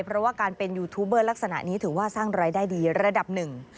เพราะว่าการเป็นยูทูบเบอร์ลักษณะนี้ถือว่าสร้างรายได้ดีระดับหนึ่ง